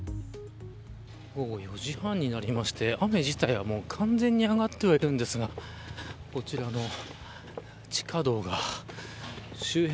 午後４時半になりまして雨自体は完全に上がってはいるんですがこちらの地下道が周辺